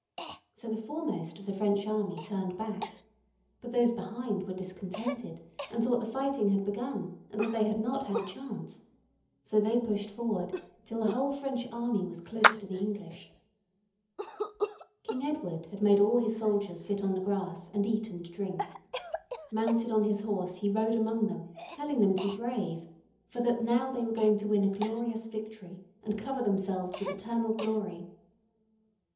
So the foremost of the French army turned back, but those behind were discontented and thought the fighting had begun and that they had not had a chance. So they pushed forward till the whole French army was close to the English. [Sidenote: A.D. 1346.] King Edward had made all his soldiers sit on the grass and eat and drink. Mounted on his horse he rode among them telling them to be brave, for that they were now going to win a glorious victory and cover themselves with eternal glory.